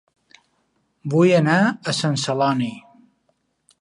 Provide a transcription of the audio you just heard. Vull anar a Sant Celoni